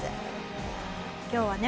今日はね